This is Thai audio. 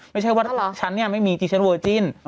ไม่ใช่ว่าฉันเนี่ยไม่มีที่ฉันเวอร์จิ้น